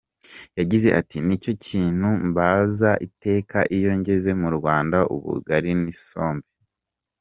Yagize ati “Nicyo kintu mbaza iteka iyo ngeze mu Rwanda, ubugari n’isombe.